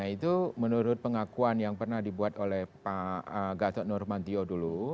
itu menurut pengakuan yang pernah dibuat oleh pak gatot nurmantio dulu